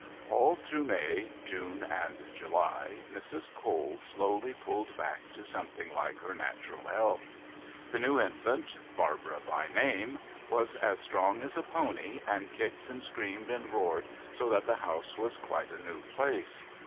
All through May, June and July Mrs. Cole slowly pulled back to something like her natural health. The new infant, Barbara by name, was as strong as a pony, and kicked and screamed and roared so that the house was quite a new place.